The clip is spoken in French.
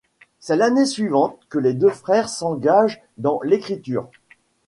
C'est l'année suivante que les deux frères s'engagent dans l'écriture.